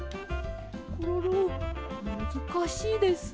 コロロむずかしいですね。